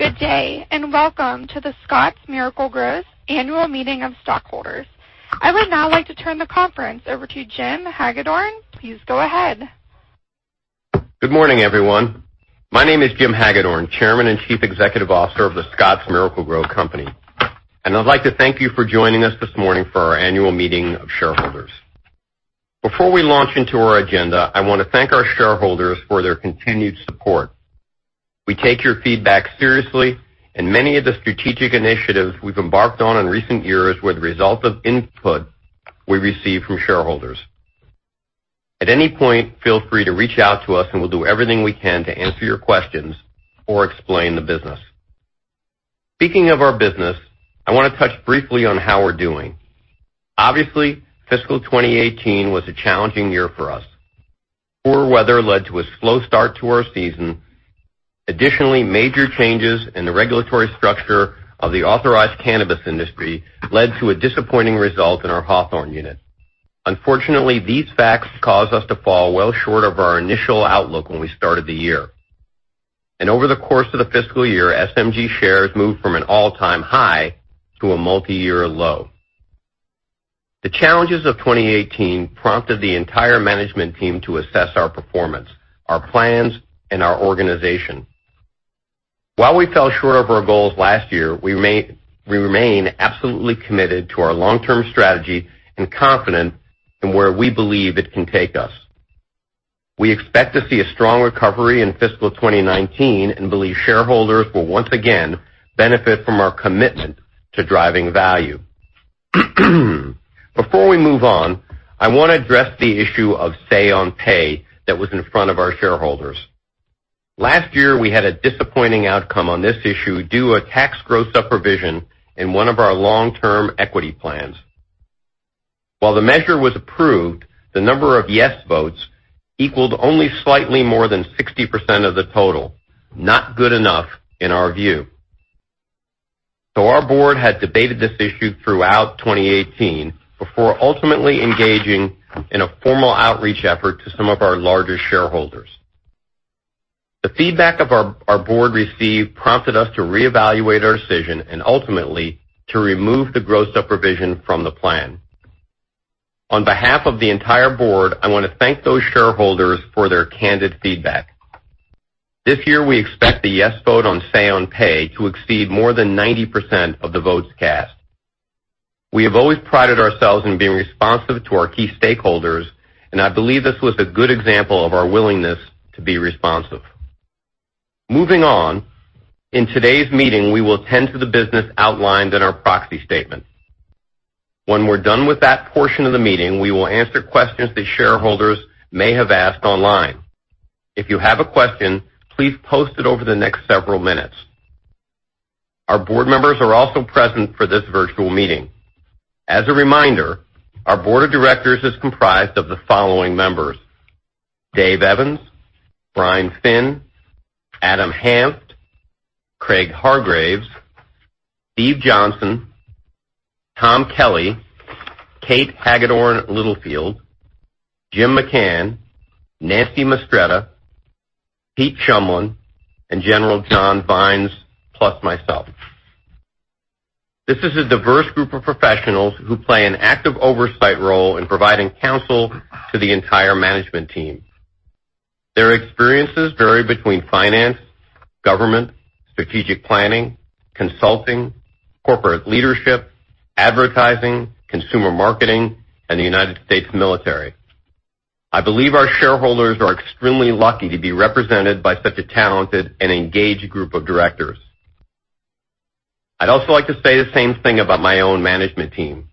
Good day, and welcome to the Scotts Miracle-Gro annual meeting of stockholders. I would now like to turn the conference over to Jim Hagedorn. Please go ahead. Good morning, everyone. My name is Jim Hagedorn, Chairman and Chief Executive Officer of The Scotts Miracle-Gro Company. I'd like to thank you for joining us this morning for our annual meeting of shareholders. Before we launch into our agenda, I want to thank our shareholders for their continued support. We take your feedback seriously, and many of the strategic initiatives we've embarked on in recent years were the result of input we received from shareholders. At any point, feel free to reach out to us, and we'll do everything we can to answer your questions or explain the business. Speaking of our business, I want to touch briefly on how we're doing. Obviously, fiscal 2018 was a challenging year for us. Poor weather led to a slow start to our season. Additionally, major changes in the regulatory structure of the authorized cannabis industry led to a disappointing result in our Hawthorne unit. Unfortunately, these facts caused us to fall well short of our initial outlook when we started the year. Over the course of the fiscal year, SMG shares moved from an all-time high to a multi-year low. The challenges of 2018 prompted the entire management team to assess our performance, our plans, and our organization. While we fell short of our goals last year, we remain absolutely committed to our long-term strategy and confident in where we believe it can take us. We expect to see a strong recovery in fiscal 2019 and believe shareholders will once again benefit from our commitment to driving value. Before we move on, I want to address the issue of say on pay that was in front of our shareholders. Last year, we had a disappointing outcome on this issue due to a tax gross-up provision in one of our long-term equity plans. While the measure was approved, the number of yes votes equaled only slightly more than 60% of the total. Not good enough in our view. Our board had debated this issue throughout 2018 before ultimately engaging in a formal outreach effort to some of our larger shareholders. The feedback our board received prompted us to reevaluate our decision and ultimately to remove the gross-up provision from the plan. On behalf of the entire board, I want to thank those shareholders for their candid feedback. This year, we expect the yes vote on say on pay to exceed more than 90% of the votes cast. We have always prided ourselves in being responsive to our key stakeholders, and I believe this was a good example of our willingness to be responsive. Moving on, in today's meeting, we will tend to the business outlined in our proxy statement. When we're done with that portion of the meeting, we will answer questions that shareholders may have asked online. If you have a question, please post it over the next several minutes. Our board members are also present for this virtual meeting. As a reminder, our board of directors is comprised of the following members: Dave Evans, Brian Finn, Adam Hanft, Craig Hargreaves, Steve Johnson, Tom Kelly, Kate Hagedorn Littlefield, Jim McCann, Nancy Mistretta, Pete Shumlin, and General John Vines, plus myself. This is a diverse group of professionals who play an active oversight role in providing counsel to the entire management team. Their experiences vary between finance, government, strategic planning, consulting, corporate leadership, advertising, consumer marketing, and the U.S. military. I believe our shareholders are extremely lucky to be represented by such a talented and engaged group of directors. I'd also like to say the same thing about my own management team.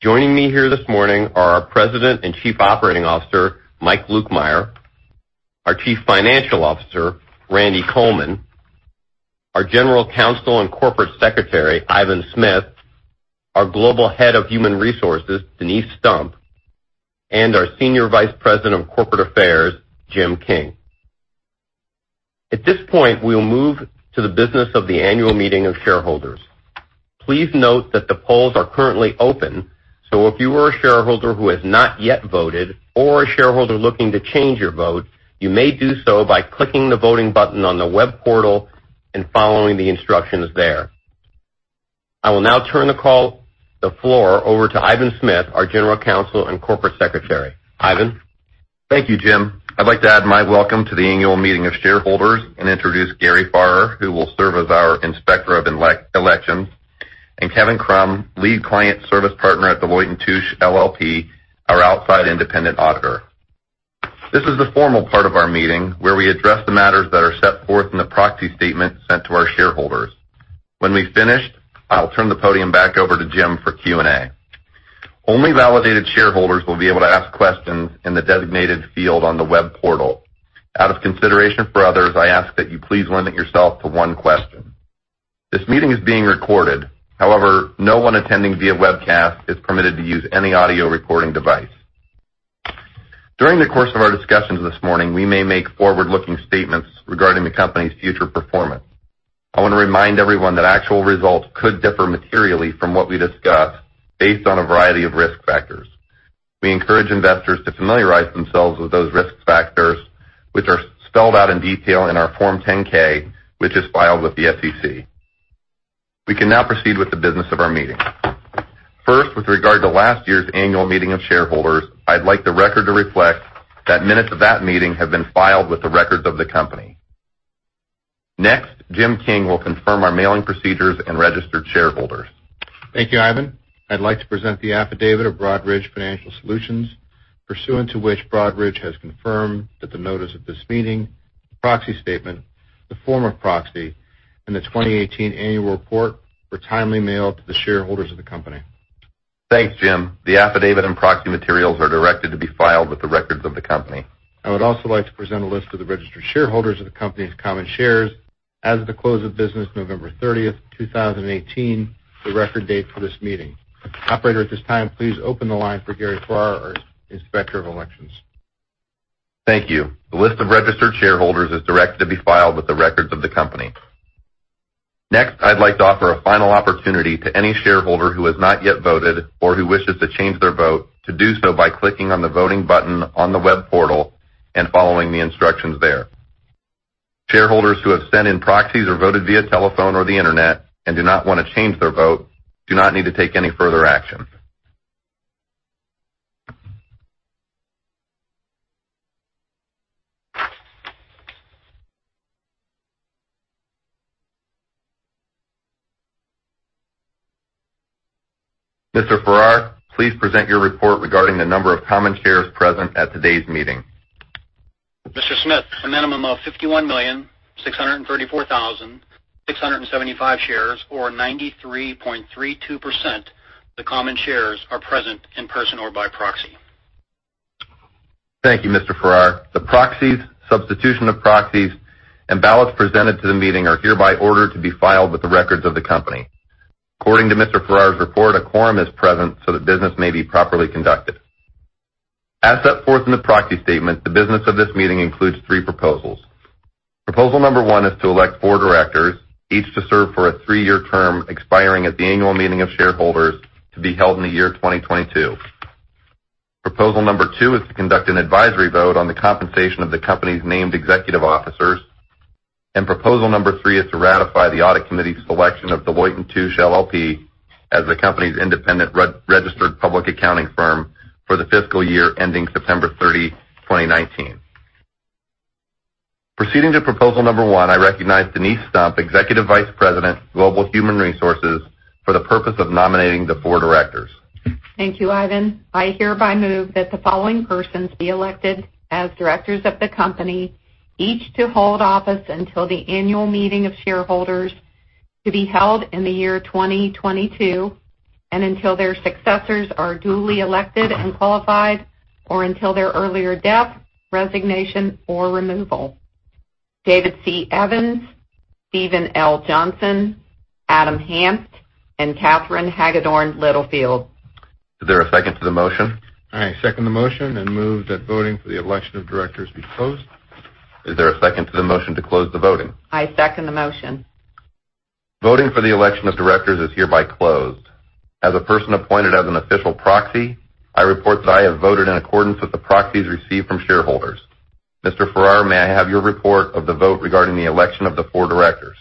Joining me here this morning are our President and Chief Operating Officer, Mike Lukemire; our Chief Financial Officer, Randy Coleman; our General Counsel and Corporate Secretary, Ivan Smith; our Global Head of Human Resources, Denise Stump; and our Senior Vice President of Corporate Affairs, Jim King. At this point, we'll move to the business of the annual meeting of shareholders. Please note that the polls are currently open, so if you are a shareholder who has not yet voted or a shareholder looking to change your vote, you may do so by clicking the voting button on the web portal and following the instructions there. I will now turn the floor over to Ivan Smith, our General Counsel and Corporate Secretary. Ivan? Thank you, Jim. I'd like to add my welcome to the annual meeting of shareholders and introduce Gary Farrar, who will serve as our inspector of elections, and Kevin Krum, lead client service partner at Deloitte & Touche LLP, our outside independent auditor. This is the formal part of our meeting where we address the matters that are set forth in the proxy statement sent to our shareholders. When we've finished, I'll turn the podium back over to Jim for Q&A. Only validated shareholders will be able to ask questions in the designated field on the web portal. Out of consideration for others, I ask that you please limit yourself to one question. This meeting is being recorded. However, no one attending via webcast is permitted to use any audio recording device. During the course of our discussions this morning, we may make forward-looking statements regarding the company's future performance. I want to remind everyone that actual results could differ materially from what we discuss based on a variety of risk factors. We encourage investors to familiarize themselves with those risk factors, which are spelled out in detail in our Form 10-K, which is filed with the SEC. We can now proceed with the business of our meeting. First, with regard to last year's annual meeting of shareholders, I'd like the record to reflect that minutes of that meeting have been filed with the records of the company. Next, Jim King will confirm our mailing procedures and registered shareholders. Thank you, Ivan. I'd like to present the affidavit of Broadridge Financial Solutions, pursuant to which Broadridge has confirmed that the notice of this meeting, the proxy statement, the form of proxy, and the 2018 annual report were timely mailed to the shareholders of the company. Thanks, Jim. The affidavit and proxy materials are directed to be filed with the records of the company. I would also like to present a list of the registered shareholders of the company's common shares as of the close of business November 30th, 2018, the record date for this meeting. Operator, at this time, please open the line for Gary Farrar, our Inspector of Elections. Thank you. The list of registered shareholders is directed to be filed with the records of the company. Next, I'd like to offer a final opportunity to any shareholder who has not yet voted or who wishes to change their vote to do so by clicking on the voting button on the web portal and following the instructions there. Shareholders who have sent in proxies or voted via telephone or the internet and do not want to change their vote do not need to take any further action. Mr. Farrar, please present your report regarding the number of common shares present at today's meeting. Mr. Smith, a minimum of 51,634,675 shares, or 93.32%, the common shares are present in person or by proxy. Thank you, Mr. Farrar. The proxies, substitution of proxies, and ballots presented to the meeting are hereby ordered to be filed with the records of the company. According to Mr. Farrar's report, a quorum is present so that business may be properly conducted. As set forth in the proxy statement, the business of this meeting includes three proposals. Proposal number one is to elect four directors, each to serve for a three-year term expiring at the annual meeting of shareholders to be held in the year 2022. Proposal number two is to conduct an advisory vote on the compensation of the company's named executive officers. Proposal number three is to ratify the audit committee's selection of Deloitte & Touche LLP as the company's independent registered public accounting firm for the fiscal year ending September 30, 2019. Proceeding to Proposal number one, I recognize Denise Stump, Executive Vice President, Global Human Resources, for the purpose of nominating the four directors. Thank you, Ivan. I hereby move that the following persons be elected as directors of the company, each to hold office until the annual meeting of shareholders to be held in the year 2022 and until their successors are duly elected and qualified or until their earlier death, resignation, or removal. David C. Evans, Stephen L. Johnson, Adam Hanft, and Katherine Hagedorn Littlefield. Is there a second to the motion? I second the motion and move that voting for the election of directors be closed. Is there a second to the motion to close the voting? I second the motion. Voting for the election of directors is hereby closed. As a person appointed as an official proxy, I report that I have voted in accordance with the proxies received from shareholders. Mr. Farrar, may I have your report of the vote regarding the election of the four directors?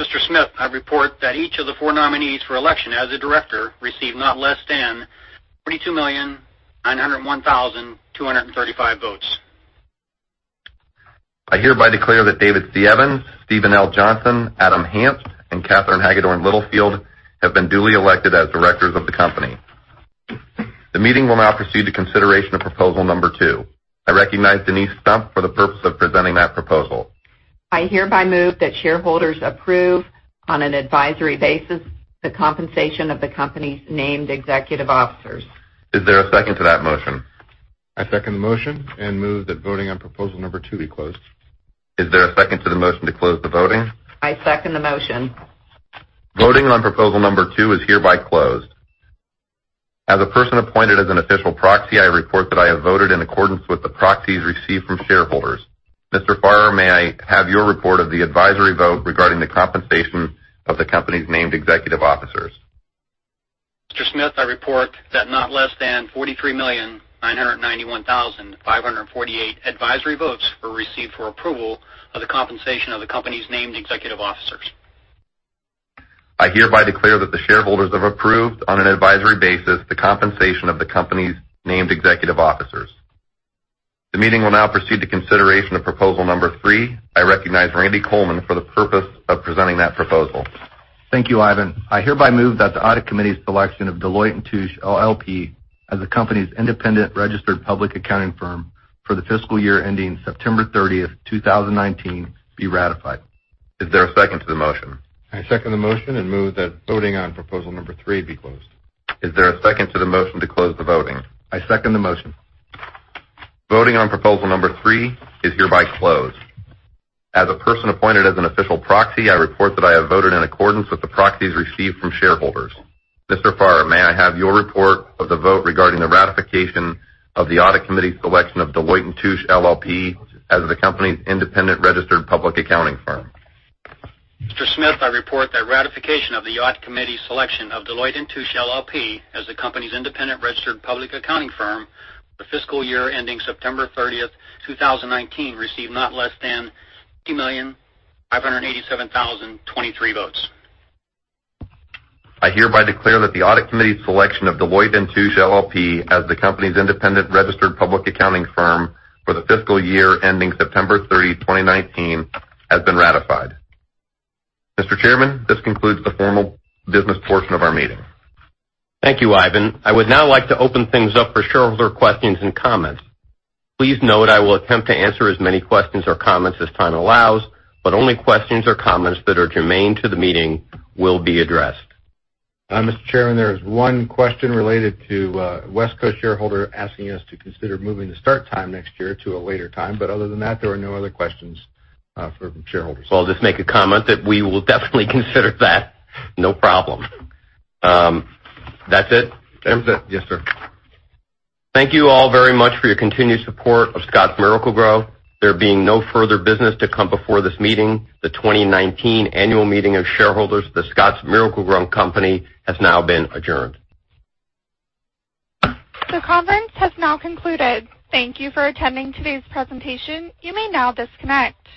Mr. Smith, I report that each of the four nominees for election as a director received not less than 42,901,235 votes. I hereby declare that David C. Evans, Stephen L. Johnson, Adam Hanft, and Katherine Hagedorn Littlefield have been duly elected as directors of the company. The meeting will now proceed to consideration of proposal number two. I recognize Denise Stump for the purpose of presenting that proposal. I hereby move that shareholders approve, on an advisory basis, the compensation of the company's named executive officers. Is there a second to that motion? I second the motion and move that voting on proposal number two be closed. Is there a second to the motion to close the voting? I second the motion. Voting on proposal number two is hereby closed. As a person appointed as an official proxy, I report that I have voted in accordance with the proxies received from shareholders. Mr. Farrar, may I have your report of the advisory vote regarding the compensation of the company's named executive officers? Mr. Smith, I report that not less than 43,991,548 advisory votes were received for approval of the compensation of the company's named executive officers. I hereby declare that the shareholders have approved, on an advisory basis, the compensation of the company's named executive officers. The meeting will now proceed to consideration of proposal number three. I recognize Randy Coleman for the purpose of presenting that proposal. Thank you, Ivan. I hereby move that the audit committee's selection of Deloitte & Touche LLP as the company's independent registered public accounting firm for the fiscal year ending September 30th, 2019 be ratified. Is there a second to the motion? I second the motion and move that voting on proposal number three be closed. Is there a second to the motion to close the voting? I second the motion. Voting on proposal number three is hereby closed. As a person appointed as an official proxy, I report that I have voted in accordance with the proxies received from shareholders. Mr. Farrar, may I have your report of the vote regarding the ratification of the audit committee's selection of Deloitte & Touche LLP as the company's independent registered public accounting firm? Mr. Smith, I report that ratification of the audit committee's selection of Deloitte & Touche LLP as the company's independent registered public accounting firm for fiscal year ending September 30, 2019, received not less than 80,587,023 votes. I hereby declare that the audit committee's selection of Deloitte & Touche LLP as the company's independent registered public accounting firm for the fiscal year ending September 30, 2019, has been ratified. Mr. Chairman, this concludes the formal business portion of our meeting. Thank you, Ivan. I would now like to open things up for shareholder questions and comments. Please note I will attempt to answer as many questions or comments as time allows, but only questions or comments that are germane to the meeting will be addressed. Mr. Chairman, there is one question related to a West Coast shareholder asking us to consider moving the start time next year to a later time. Other than that, there are no other questions from shareholders. I'll just make a comment that we will definitely consider that. No problem. That's it? That's it. Yes, sir. Thank you all very much for your continued support of Scotts Miracle-Gro. There being no further business to come before this meeting, the 2019 annual meeting of shareholders of The Scotts Miracle-Gro Company has now been adjourned. The conference has now concluded. Thank you for attending today's presentation. You may now disconnect.